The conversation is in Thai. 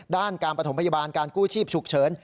ด้านการประถมพยาบาลการกู้ชีพฉุกเฉิน